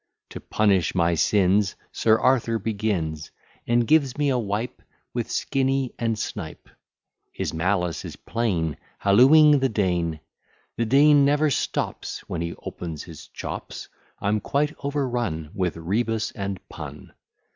To punish my sins, Sir Arthur begins, And gives me a wipe, With Skinny and Snipe:, His malice is plain, Hallooing the Dean. The Dean never stops, When he opens his chops; I'm quite overrun With rebus and pun.